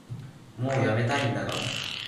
もうやめたいんだが